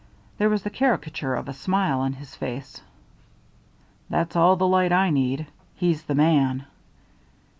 There was the caricature of a smile on his face. "That's all the light I need. He's the man."